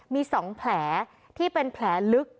มี๒แผลที่เป็นแผลลึก